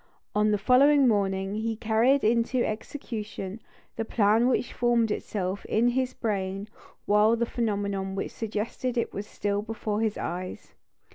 On the following morning he carried into execution the plan which formed itself in his brain while the phenomenon which suggested it was still before his eyes.